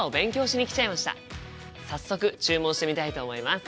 早速注文してみたいと思います。